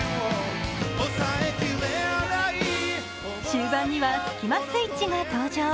終盤にはスキマスイッチが登場。